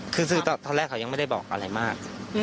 คือตอนแรกเขายังไม่ได้บอกอะไรมาก